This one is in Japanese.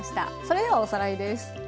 それではおさらいです。